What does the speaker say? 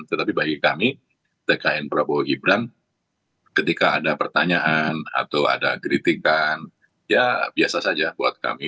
tetapi bagi kami tkn prabowo gibran ketika ada pertanyaan atau ada kritikan ya biasa saja buat kami